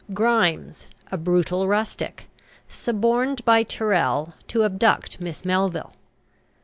GRIMES, a brutal rustic, suborned by Tyrrel to abduct Miss Melville.